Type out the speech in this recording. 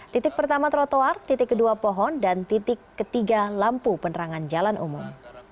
titik pertama trotoar titik kedua pohon dan titik ketiga lampu penerangan jalan umum